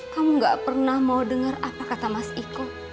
kamu gak pernah mau dengar apa kata mas iko